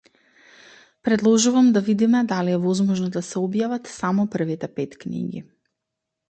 Предложувам да видиме дали е возможно да се објават само првите пет книги.